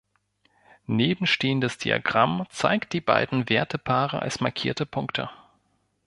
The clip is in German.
Nebenstehendes Diagramm zeigt die beiden Wertepaare als markierte Punkte.